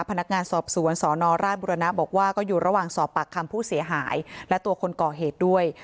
พนักงานสอบสวนสนราชบุรณะบอกว่าก็อยู่ระหว่างสอบปากคำผู้เสียหายและตัวคนก่อเหตุด้วย